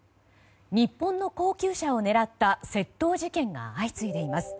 日本の高級車を狙った窃盗事件が相次いでいます。